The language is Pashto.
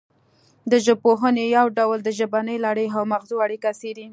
د ژبپوهنې یو ډول د ژبنۍ لړۍ او مغزو اړیکه څیړي